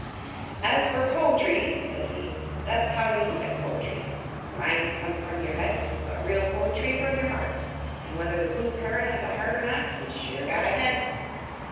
"As fer po'try," said he, "that's as how you look at po'try. Rhymes come from your head, but real po'try from your heart, an' whether the blue parrot has a heart or not he's sure got a head."